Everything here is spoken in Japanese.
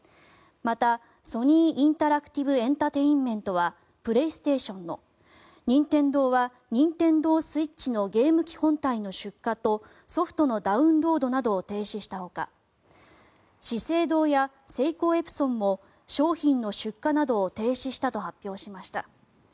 また、ソニー・インタラクティブエンタテインメントはプレイステーションの任天堂はニンテンドースイッチのゲーム機本体の出荷とソフトのダウンロードなどを停止したほか資生堂やセイコーエプソンも商品の出荷などを停止したと発表しました。